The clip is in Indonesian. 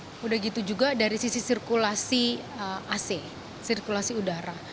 sudah gitu juga dari sisi sirkulasi ac sirkulasi udara